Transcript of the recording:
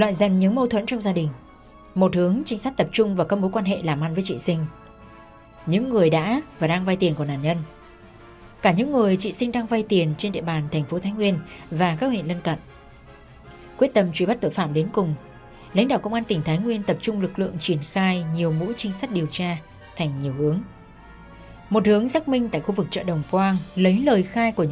ngay sau khi nhận được thông tin này lãnh đạo công an tỉnh thái nguyên phối hợp với công an tỉnh cao bằng tập trung truy tìm vật chứng và đối tượng của vụ án